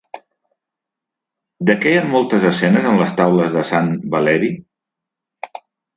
De què hi ha moltes escenes en les taules de sant Valeri?